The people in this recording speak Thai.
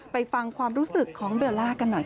ฟังความรู้สึกของเบลล่ากันหน่อยค่ะ